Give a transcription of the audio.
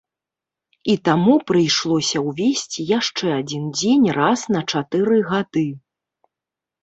І таму прыйшлося ўвесці яшчэ адзін дзень раз на чатыры гады.